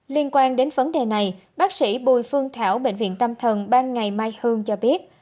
liên quan đến vấn đề này bác sĩ bùi phương thảo bệnh viện tâm thần ban ngày mai hương cho biết